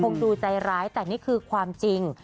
ดูใจร้ายแต่นี่คือความจริง